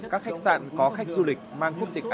các khách sạn có khách du lịch